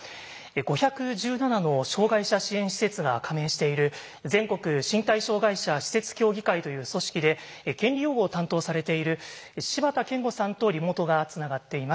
５１７の障害者支援施設が加盟している全国身体障害者施設協議会という組織で権利擁護を担当されている柴田健吾さんとリモートがつながっています。